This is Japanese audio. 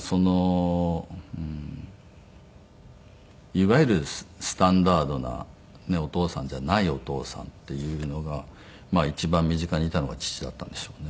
いわゆるスタンダードなねえお父さんじゃないお父さんっていうのが一番身近にいたのが父だったんでしょうね。